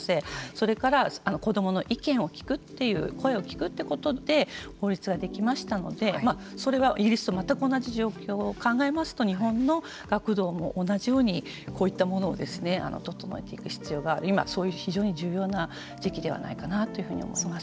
それから子どもの意見を聞くという声を聞くということで法律ができましたのでそれはイギリスと全く同じ状況を考えますと日本の学童も同じようにこういったものを整えていく必要が今、非常に重要な時期ではないかなというふうに思います。